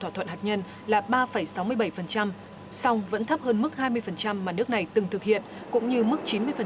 thỏa thuận hạt nhân là ba sáu mươi bảy song vẫn thấp hơn mức hai mươi mà nước này từng thực hiện cũng như mức chín mươi